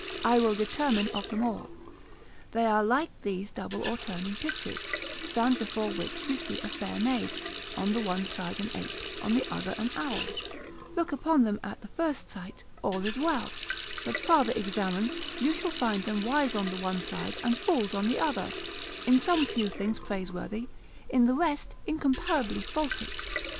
I will determine of them all, they are like these double or turning pictures; stand before which you see a fair maid, on the one side an ape, on the other an owl; look upon them at the first sight, all is well, but farther examine, you shall find them wise on the one side, and fools on the other; in some few things praiseworthy, in the rest incomparably faulty.